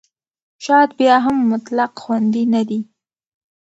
شات بیا هم مطلق خوندي نه دی.